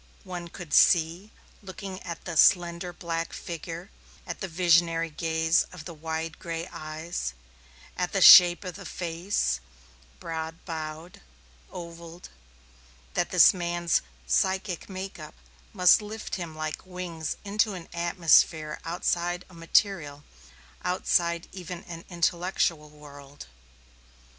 One could see, looking at the slender black figure, at the visionary gaze of the gray wide eyes, at the shape of the face, broad browed, ovalled, that this man's psychic make up must lift him like wings into an atmosphere outside a material, outside even an intellectual world.